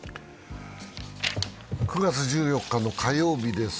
９月１４日の火曜日です。